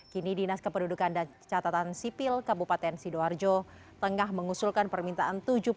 kini dinas kependudukan dan catatan sipil kabupaten sidoarjo tengah mengusulkan permintaan